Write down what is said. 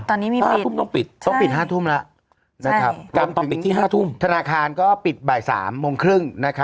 ตอนนี้มีปิดต้องปิด๕ทุ่มแล้วกรรมต้องปิดที่๕ทุ่มธนาคารก็ปิดบ่าย๓โมงครึ่งนะครับ